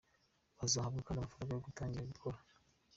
Bazahabwa kandi amafaranga yo gutangira gukora.